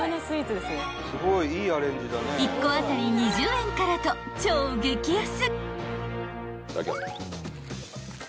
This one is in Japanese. ［１個当たり２０円からと超激安］